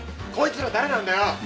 こいつら誰なんだよ！